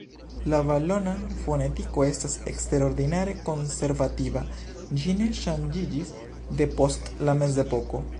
La valona fonetiko estas eksterordinare konservativa: ĝi ne ŝanĝiĝis depost la Mezepoko.